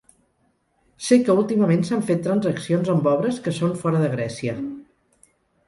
Sé que últimament s'han fet transaccions amb obres que són fora de Grècia.